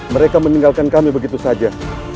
mereka meninggalkan kami begitu saja